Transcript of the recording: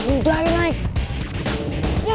udah yuk naik